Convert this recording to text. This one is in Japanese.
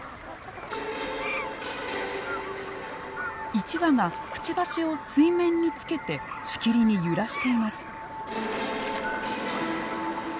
１羽がくちばしを水面につけてしきりに揺らしています。